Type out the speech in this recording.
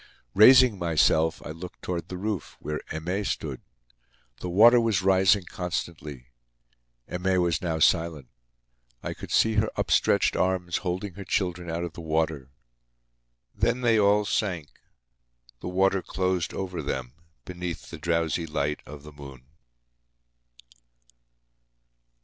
Raising myself, I looked toward the roof, where Aimee stood. The water was rising constantly. Aimee was now silent. I could see her upstretched arms holding her children out of the water. Then they all sank, the water closed over them beneath the drowsy light of the moon.